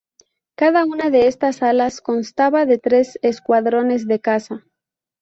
Cada una de estas alas constaba de tres escuadrones de caza.